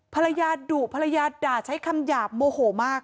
พละยาดุพละยาด่าใช้คำหยาบโมโหกษ์มาก